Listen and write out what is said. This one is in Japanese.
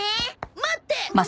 待って！